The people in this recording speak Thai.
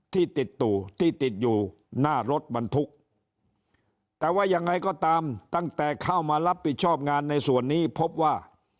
ที่ติดตู่ที่ติดอยู่หน้ารถบรรทุกแต่ว่ายังไงก็ตามตั้งแต่เข้ามารับผิดชอบงานในส่วนนี้พบว่า